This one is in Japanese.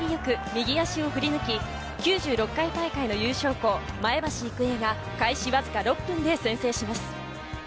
練太郎が思い切りよく右足を振り抜き９６回大会の優勝校前橋育英が開始わずか６分で先制します。